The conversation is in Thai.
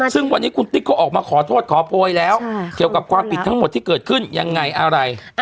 ซึ่งวันนี้คุณติ๊กก็ออกมาขอโทษขอโพยแล้วเกี่ยวกับความผิดทั้งหมดที่เกิดขึ้นยังไงอะไร